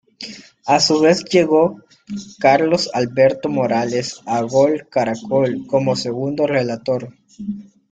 A su vez, llegó Carlos Alberto Morales a Gol Caracol como segundo relator.